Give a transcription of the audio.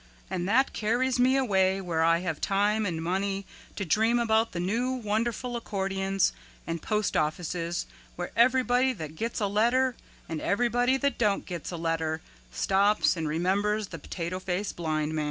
And that carries me away where I have time and money to dream about the new wonderful accordions and postoffices where everybody that gets a letter and everybody that don't get a letter stops and remembers the Potato Face Blind Man."